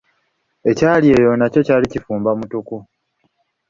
Ekyali eyo nakyo kyali kifumba mukutu..